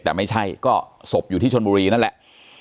แต่ไม่ใช่ก็ศพอยู่ที่ชนบุรีนั่นแหละ